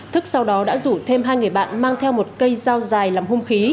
thức sau đó đã rủ thêm hai người bạn mang theo một cây dao dài làm hung khí